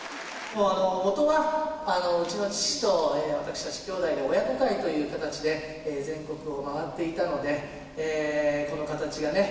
元はうちの父と私たち兄弟で親子会という形で全国を回っていたのでこの形がね